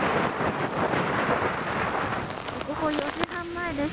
午後４時半前です。